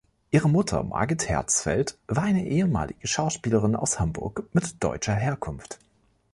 Ihre Mutter Margit Herzfeld war eine ehemalige Schauspielerin aus Hamburg mit deutscher Herkunft.